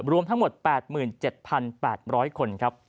รวมทั้งหมด๘๗๘๐๐คนครับ